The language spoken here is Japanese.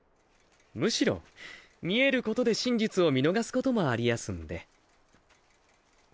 むしろ見えることで真実を見逃すこともありやすんで。